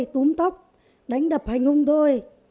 hay túm tóc đánh đập hành hùng tôi